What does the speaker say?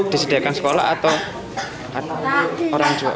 disediakan sekolah atau orang juga